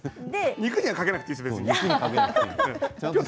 肉にはかけなくていいですよ。